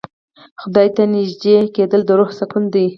خدای ته نژدې کېدل د روح سکون دی.